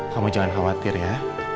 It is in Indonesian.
kamu jangan khawatir ya